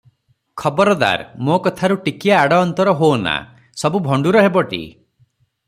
ଖବରଦାର! ମୋ କଥାରୁ ଟିକିଏ ଆଡ଼ ଅନ୍ତର ହୋ ନା, ସବୁ ଭଣ୍ଡୁର ହେବଟି?